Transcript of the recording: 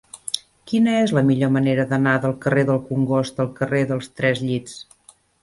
Quina és la millor manera d'anar del carrer del Congost al carrer dels Tres Llits?